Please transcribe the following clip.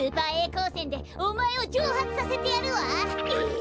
こうせんでおまえをじょうはつさせてやるわ！